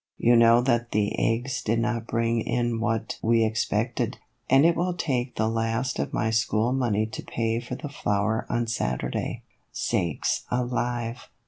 You know that the eggs did not bring in what we ex pected, and it will take the last of my school money to pay for the flour on Saturday." " Sakes alive